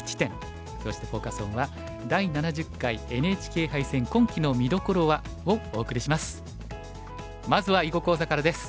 そしてフォーカス・オンは「第７０回ＮＨＫ杯戦今期の見どころは？」をお送りします。